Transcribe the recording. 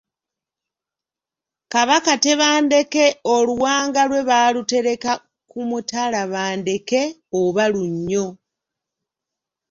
Kabaka Tebandeke oluwanga lwe baalutereka ku mutala Bandeke oba Lunnyo.